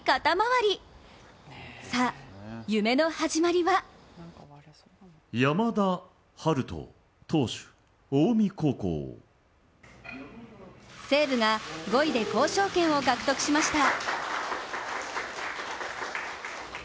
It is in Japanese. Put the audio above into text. わあ、夢の始まりは西武が５位で交渉権を獲得しました。